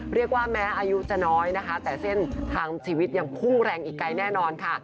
เรียกว่าแม้อายุจะน้อยนะคะแต่เส้นทางชีวิตยังพุ่งแรงอีกไกลแน่นอนค่ะ